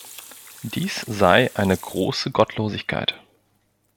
Dies sei eine große Gottlosigkeit.